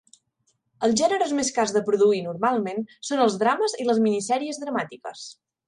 Els gèneres més cars de produir normalment són els drames i les mini sèries dramàtiques.